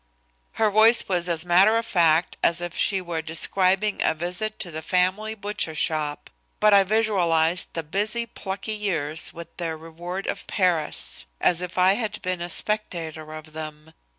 Her voice was as matter of fact as if she were describing a visit to the family butcher shop. But I visualized the busy, plucky years with their reward of Paris as if I had been a spectator of them.